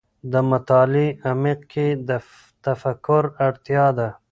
د مطالعې عمق کې د تفکر اړتیا ده.